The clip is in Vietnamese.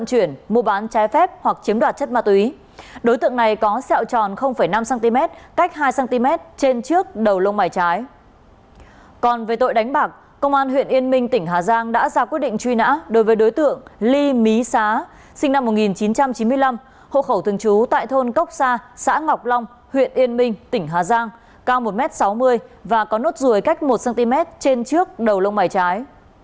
còn về tội đánh bạc công an huyện yên minh tỉnh hà giang đã ra quyết định truy nã đối với đối tượng ly mí xá sinh năm một nghìn chín trăm chín mươi năm hộ khẩu thường trú tại thôn cốc sa xã ngọc long huyện yên minh tỉnh hà giang cao một m sáu mươi và có nốt rùi cách một cm trên trước đầu lông mày trái